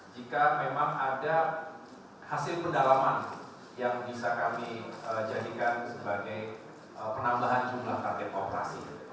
jika memang ada hasil pendalaman yang bisa kami jadikan sebagai penambahan jumlah target operasi